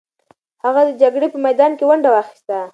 هغې د جګړې په میدان کې ونډه واخیسته.